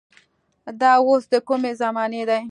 دا اوس د کومې زمانې دي.